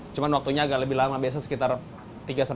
cuman waktunya agak lebih lama biasa sekitar tiga empat jam lah